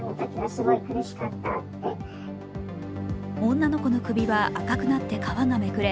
女の子の首は赤くなって皮がめくれ